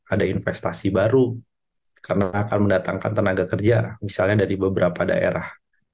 ada investasi baru karena akan mendatangkan tenaga kerja misalnya dari beberapa daerah